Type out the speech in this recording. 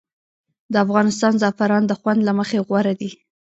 د افغانستان زعفران د خوند له مخې غوره دي